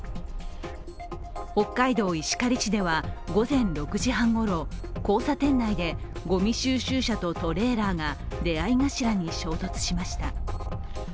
北海道石狩市では午前６時半ごろ交差点内でごみ収集車とトレーラーが出会い頭に衝突しました。